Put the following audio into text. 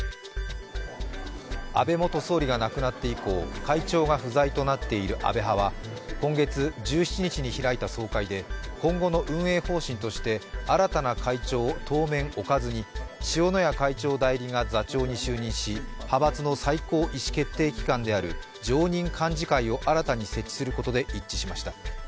安倍元総理が亡くなって以降会長が不在となっている安倍派は今月１７日に開いた総会で、今後の運営方針として新たな会長を当面置かずに塩谷会長代理が座長に就任し派閥の最高意思決定機関である常任幹事会を新たに設置することで一致しました。